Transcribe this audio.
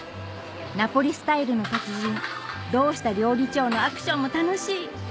ナポリスタイルの達人堂下料理長のアクションも楽しい